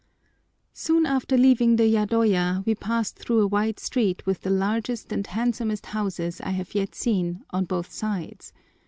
Soon after leaving the yadoya we passed through a wide street with the largest and handsomest houses I have yet seen on both sides.